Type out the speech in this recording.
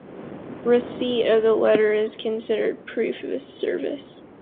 Receipt of the letter is considered proof of service.